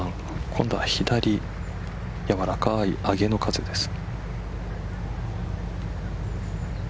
今度は左やわらかい、アゲの風です。